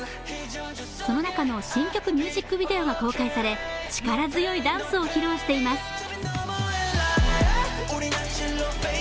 その中の新曲ミュージックビデオが公開され力強いダンスを披露しています。